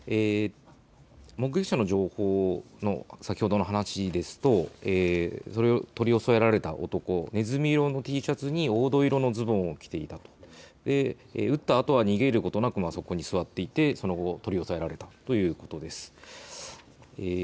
目撃者の情報、先ほどの話ですと取り押さえられた男、ねずみ色のＴシャツに黄土色のズボンを着ていたと、撃ったあとは逃げることなく座っいて取り押さえられたということです。